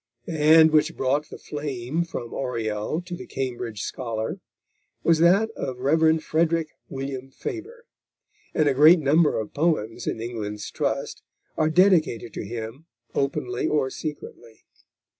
The hand which brought the flame from Oriel to the Cambridge scholar was that of the Rev. Frederick William Faber, and a great number of the poems in England's Trust are dedicated to him openly or secretly.